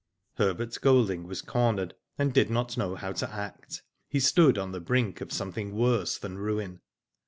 '* Herbert Golding was cornered, and did not know how to act. He stood on the brink of something worse than ruin.